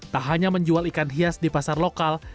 tak hanya menjual ikan hias di pasar lokal